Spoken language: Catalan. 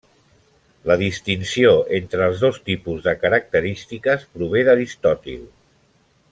La distinció entre els dos tipus de característiques prové d'Aristòtil.